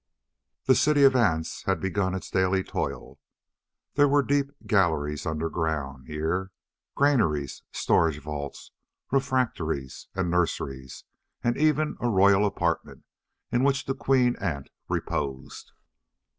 The city of the ants had begun its daily toil. There were deep galleries underground here: graineries, storage vaults, refectories, and nurseries, and even a royal apartment in which the queen ant reposed.